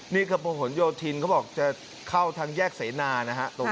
นี่คือพระหลโยธินเขาบอกจะเข้าทางแยกเสนานะฮะ